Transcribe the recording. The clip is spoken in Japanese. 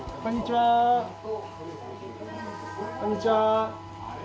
はいこんにちは。